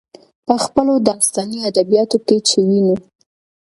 په خپلو داستاني ادبياتو کې چې وينو،